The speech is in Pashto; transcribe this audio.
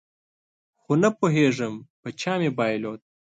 خو نپوهېږم په چا مې بایلود